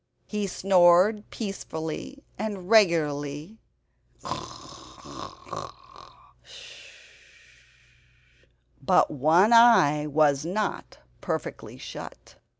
He snored peacefully and regularly; but one eye was not perfectly shut.